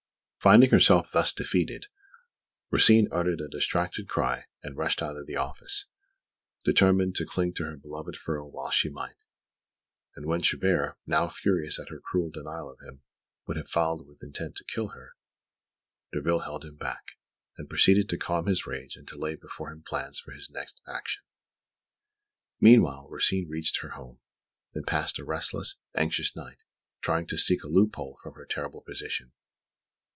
Finding herself thus defeated, Rosine uttered a distracted cry and rushed out of the office, determined to cling to her beloved Ferraud whilst she might; and when Chabert, now furious at her cruel denial of him, would have followed with intent to kill her, Derville held him back, and proceeded to calm his rage and to lay before him plans for his next action. Meanwhile, Rosine reached her home, and passed a restless, anxious night, trying to seek a loophole from her terrible position.